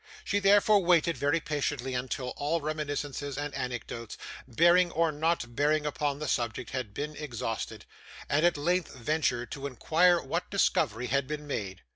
She therefore waited, very patiently, until all reminiscences and anecdotes, bearing or not bearing upon the subject, had been exhausted, and at last ventured to inquire what discovery had been made.